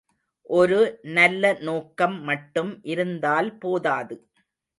ஒரு நல்ல நோக்கம் மட்டும் இருந்தால் போதாது.